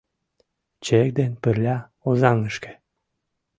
Чех ден пырля Озаҥышке